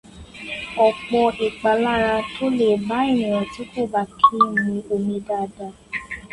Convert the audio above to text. Ọ̀pọ̀ ìpalára tó lè bá ènìyàn tí kò bá kí ń mu omi dáadáa.